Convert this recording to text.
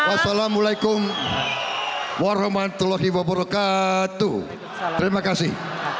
wassalamualaikum warahmatullahi wabarakatuh terima kasih